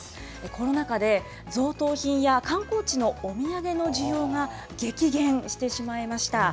コロナ禍で贈答品や観光地のお土産の需要が激減してしまいました。